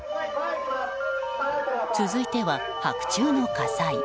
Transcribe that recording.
続いては、白昼の火災。